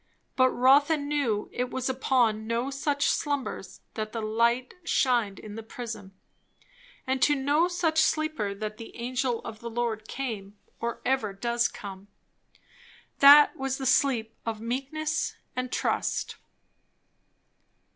But Rotha knew it was upon no such slumbers that the "light shined in the prison," and to no such sleeper that the angel of the Lord came, or ever does come. That was the sleep of meekness and trust.